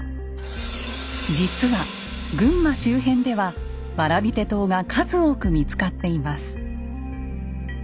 実は群馬周辺では蕨手刀が数多く見つかっています。